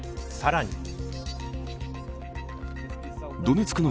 さらに。